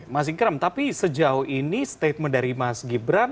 mas ikram tapi sejauh ini statement dari mas gibran